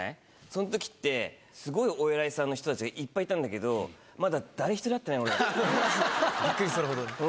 そのときって、すごいお偉いさんの人たちがいっぱいいたんだけど、まだ誰一人会ってない、びっくりするほど。